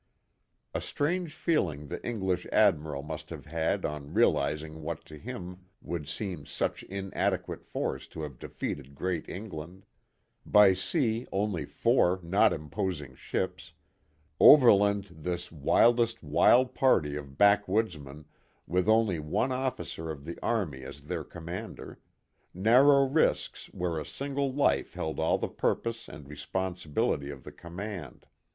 A strange feeling the English admiral must have had on realizing what to him would seem such inadequate force to have defeated great England : by sea only four not imposing ships ; over land " this wildest wild party of backwoodsmen," with only one officer of the army as their com mander ; narrow risks where a single life held all the purpose and responsibility of the com mand.